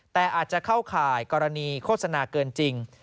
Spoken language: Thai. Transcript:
แต่อาจจะเข้าข่ายกรณีโฆษณาเกินจริง